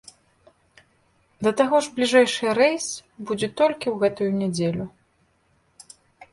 Да таго ж бліжэйшы рэйс будзе толькі ў гэтую нядзелю.